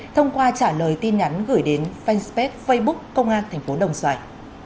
thông qua trả lời tin nhắn gửi đến fanpage facebook công an thành phố đồng xoài